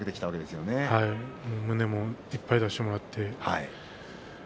胸もいっぱい出してもらいました。